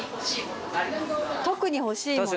特に欲しいもの？